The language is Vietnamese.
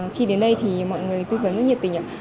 chị đến đây thì mọi người tư vấn rất nhiệt tình ạ